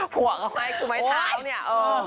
หัวเข้าให้คุณไม้เท้าเนี่ย